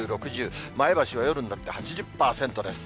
５０、６０、前橋は夜になって８０％です。